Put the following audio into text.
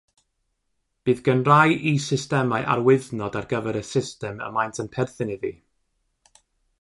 Bydd gan rai is-systemau arwyddnod ar gyfer y system y maent yn perthyn iddi.